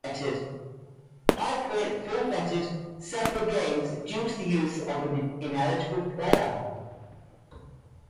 High Point forfeited several games due to the use of an ineligible player.